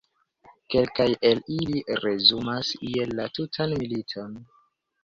Kelkaj el ili resumas iel la tutan militon.